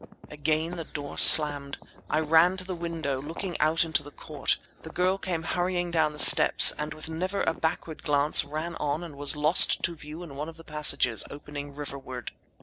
Again the door slammed. I ran to the window, looking out into the court. The girl came hurrying down the steps, and with never a backward glance ran on and was lost to view in one of the passages opening riverward.